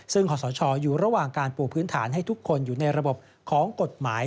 ซึ่งขอสชอยู่ระหว่างการปลูกพื้นฐานให้ทุกคนอยู่ในระบบของกฎหมาย